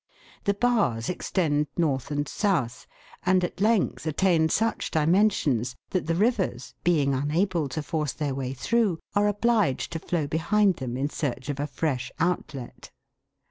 The bars extend north and south, and at length attain such dimensions that the rivers, being unable to force their way through, are obliged to flow behind them in search of a fresh outlet.